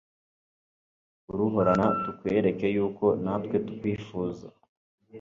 kuruhorana, tukwereke y'uko, natwe tukwifuza